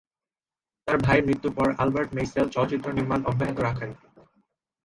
তার ভাইয়ের মৃত্যুর পর, আলবার্ট মেইসেল চলচ্চিত্র নির্মাণ অব্যাহত রাখেন।